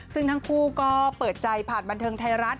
ซึ่งทั้งคู่ก็เปิดใจผ่านบันเทิงไทยรัฐ